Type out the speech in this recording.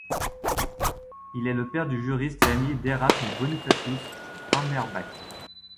Il est le père du juriste et ami d'Erasme Bonifacius Amerbach.